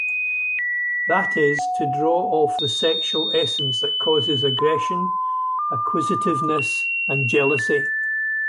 That is, to draw off the sexual essence that causes aggression, acquisitiveness and jealousy.